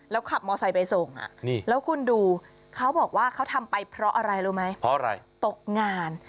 ขับมอไซค์ไปส่งแล้วคุณดูเขาบอกว่าเขาทำไปเพราะอะไรรู้ไหมเพราะอะไรตกงาน